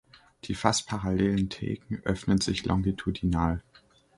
Die fast parallelen Theken öffnen sich longitudinal.